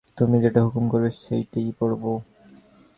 তুমি যেটা হুকুম করবে সেইটেই পরব।